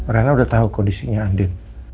rana udah tahu kondisinya andin